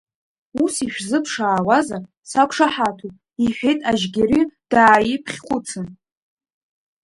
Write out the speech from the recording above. Ус ишәзыԥшаауазар, сақәшаҳаҭуп, — иҳәеит Ажьгьери, дааиԥхьхәыцын.